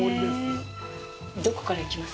どこから行きます？